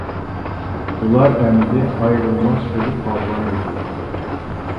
ئۇلار ئەمدى ئايرىلماس بولۇپ قالغان ئىدى.